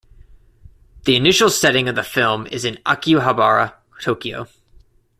The initial setting of the film is in Akihabara, Tokyo.